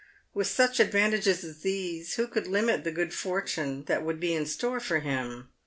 With such advantages as these, who could limit the good fortune that would be in store for him